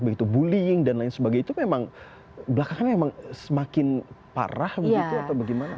begitu bullying dan lain sebagainya itu memang belakangan memang semakin parah begitu atau bagaimana